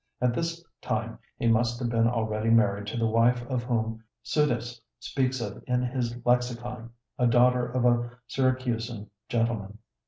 At this time he must have been already married to the wife of whom Suidas speaks in his 'Lexicon,' a daughter of a Syracusan gentleman.